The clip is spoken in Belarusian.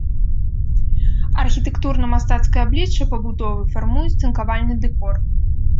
Архітэктурна-мастацкае аблічча пабудовы фармуюць тынкавальны дэкор.